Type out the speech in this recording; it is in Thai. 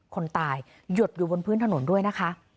คนตายหยดอยู่บนพื้นถนนด้วยนะคะ